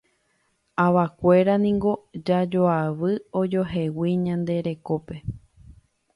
Avakuéra niko jajoavy ojoehegui ñande rekópe.